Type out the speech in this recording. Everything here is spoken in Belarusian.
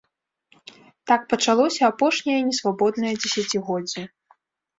Так пачалося апошняе несвабоднае дзесяцігоддзе.